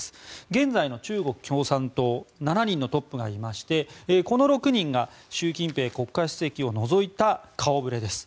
現在の中国共産党７人のトップがいましてこの６人が習近平国家主席を除いた顔触れです。